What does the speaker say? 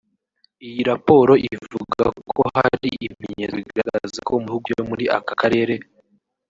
Iyi raporo ivuga ko hari ibimenyetso bigaragaza ko mu bihugu byo muri aka karere